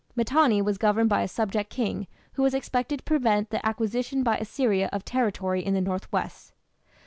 Mitanni was governed by a subject king who was expected to prevent the acquisition by Assyria of territory in the north west.